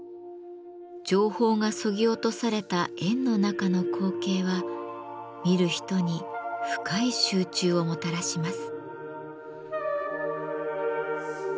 情報がそぎ落とされた円の中の光景は見る人に深い集中をもたらします。